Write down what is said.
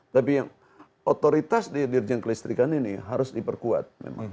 tapi yang otoritas dirjen kelistrikan ini harus diperkuat